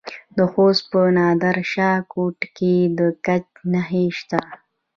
د خوست په نادر شاه کوټ کې د ګچ نښې شته.